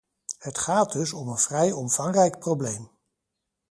Het gaat dus om een vrij omvangrijk probleem.